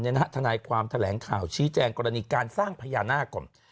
ในหน้าทนายความแถลงข่าวชี้แจงกรณีการสร้างพญานาคม